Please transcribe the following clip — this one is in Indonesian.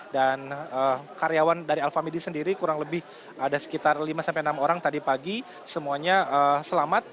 dan karyawan dari alfa midi sendiri kurang lebih ada sekitar lima sampai enam orang tadi pagi semuanya selamat